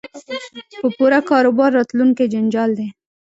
په پور کاروبار راتلونکی جنجال دی